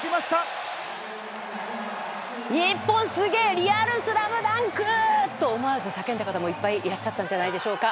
リアル「ＳＬＡＭＤＵＮＫ」！と思わず叫んだ方もいっぱいいらっしゃったんじゃないでしょうか。